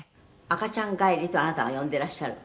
「赤ちゃん返りとあなたが呼んでいらっしゃる？」